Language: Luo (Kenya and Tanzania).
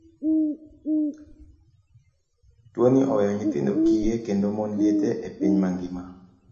Tuoni oweyo nyithindo kiye kendo mond liete e piny ngima.